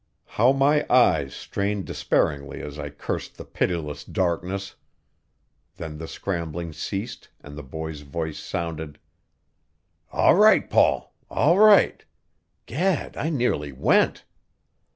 How my eyes strained despairingly as I cursed the pitiless darkness! Then the scrambling ceased and the boy's voice sounded: "All right, Paul! All right! Gad, I nearly went!"